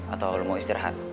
atau lo mau istirahat